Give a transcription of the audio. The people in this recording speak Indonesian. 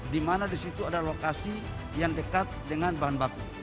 di mana di situ ada lokasi yang dekat dengan bahan baku